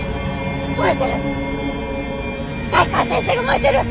燃えてる！